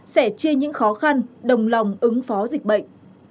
như những khó khăn đồng lòng ứng phó dịch bệnh